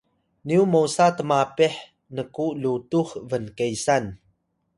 nyu mosa tmapeh nku lutux bnkesan